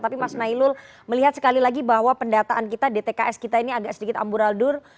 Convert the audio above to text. tapi mas nailul melihat sekali lagi bahwa pendataan kita dtks kita ini agak sedikit amburadur